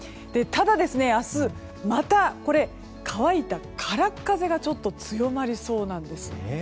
ただ、明日また乾いたからっ風が強まりそうなんです。